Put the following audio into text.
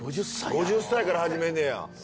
５０歳から始めんねや。